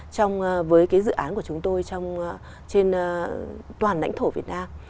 trong với cái dự án của chúng tôi trên toàn lãnh thổ việt nam